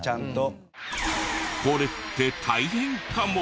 これって大変かも？